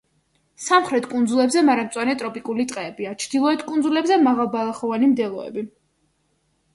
სამხრეთ კუნძულებზე მარადმწვანე ტროპიკული ტყეებია, ჩრდილოეთ კუნძულებზე მაღალბალახოვანი მდელოები.